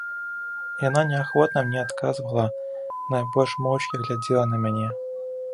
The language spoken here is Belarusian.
Яна неахвотна мне адказвала, найбольш моўчкі глядзела на мяне.